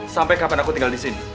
sampai kapan aku tinggal disini